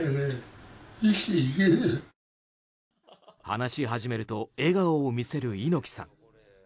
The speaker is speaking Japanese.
話始めると笑顔を見せる猪木さん。